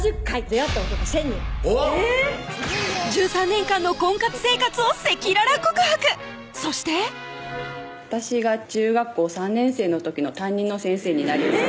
１３年間の婚活生活を赤裸々告白そして私が中学校３年生の時の担任の先生になります